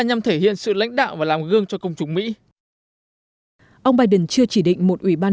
nhằm thể hiện sự lãnh đạo và làm gương cho công chúng mỹ ông biden chưa chỉ định một ủy ban